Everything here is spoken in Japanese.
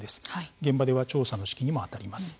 現場では調査の指揮にもあたります。